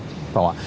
phải không ạ